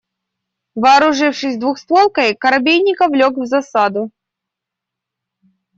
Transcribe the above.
Вооружившись двустволкой, Коробейников лёг в засаду.